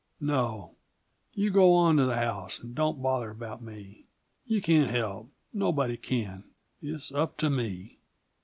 "No, You go on to the house, and don't bother about me. You can't help nobody can. It's up to me."